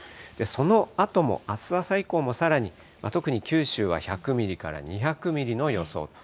そのあともあす朝以降も、さらに、特に九州は１００ミリから２００ミリの予想と。